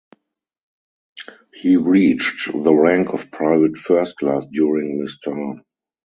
He reached the rank of private first class during this time.